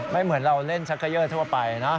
ไม่เหมือนเราเล่นชักกะเยอะเท่าไปนะ